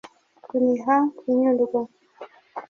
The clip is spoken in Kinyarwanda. Kuniha kunyurwa